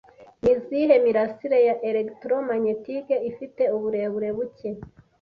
Ni izihe mirasire ya electromagnetique ifite uburebure buke buke